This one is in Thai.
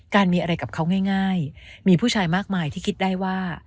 มีอะไรกับเขาง่ายมีผู้ชายมากมายที่คิดได้ว่า